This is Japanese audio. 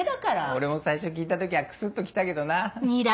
俺も最初聞いた時はクスっと来たけどな。